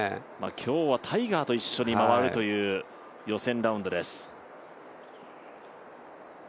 今日はタイガーと一緒に回るという予選ラウンドです。